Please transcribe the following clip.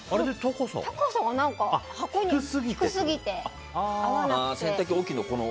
高さが低すぎて合わなくて。